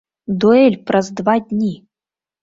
Дуэль праз два дні!